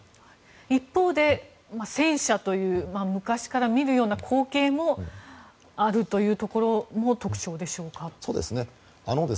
一方で戦車という昔から見るような光景もあるというところもそうですね。